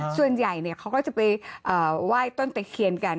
ส่วนใหญ่เขาก็จะไปไหว้ต้นตะเคียนกัน